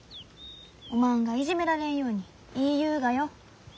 おまんがいじめられんように言いゆうがよ。